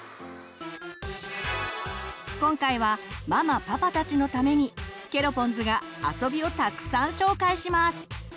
今回はママパパたちのためにケロポンズが遊びをたくさん紹介します！